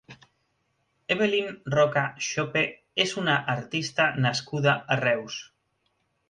Evelyn Roca Schöpe és una artista nascuda a Reus.